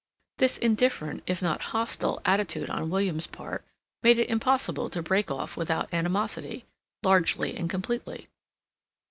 This indifferent, if not hostile, attitude on William's part made it impossible to break off without animosity, largely and completely.